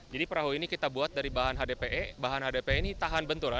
jadi perahu ini kita buat dari bahan hdpe bahan hdpe ini tahan bentur